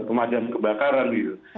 kemadam kebakaran gitu